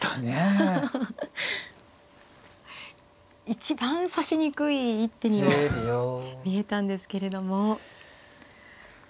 一番指しにくい一手にも見えたんですけれども。